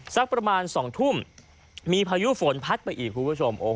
สักประมาณ๒ทุ่มมีพายุฝนพัดไปอีกคุณผู้ชม